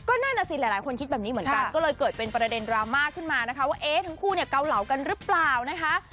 นั่นน่ะสิหลายคนคิดแบบนี้เหมือนกันก็เลยเกิดเป็นประเด็นดราม่าขึ้นมานะคะว่าเอ๊ะทั้งคู่เนี่ยเกาเหลากันหรือเปล่านะคะ